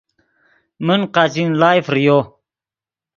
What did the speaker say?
من قاچین ڑائے فریو